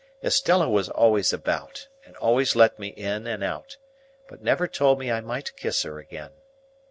Estella was always about, and always let me in and out, but never told me I might kiss her again.